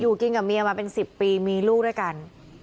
กินกับเมียมาเป็น๑๐ปีมีลูกด้วยกัน